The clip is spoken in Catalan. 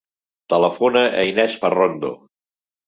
Telefona a l'Inés Parrondo.